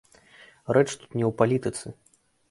Рэч тут не ў палітыцы.